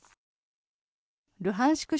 ルハンシク